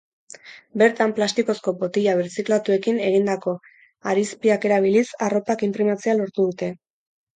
Bertan, plastikozko botila birziklatuekin egindako harizpiak erabiliz, arropak inprimatzea lortu dute.